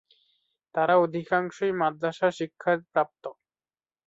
তাঁরা অধিকাংশই মাদ্রাসা শিক্ষাপ্রাপ্ত।